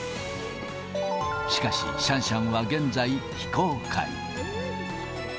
しかし、シャンシャンは現在、非公開。